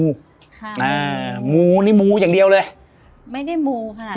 ค่ะอ่ามูนี่มูอย่างเดียวเลยไม่ได้มูขนาด